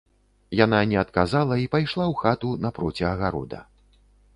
Яна не адказала і пайшла ў хату напроці агарода.